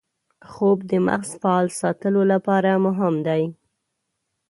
خوب د مغز فعال ساتلو لپاره مهم دی